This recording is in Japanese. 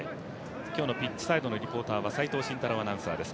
今日のピッチサイドのリポーターは齋藤慎太郎アナウンサーです。